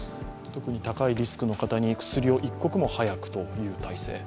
特に高いリスクの方に薬を一刻も早くという体制。